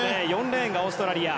４レーンがオーストラリア。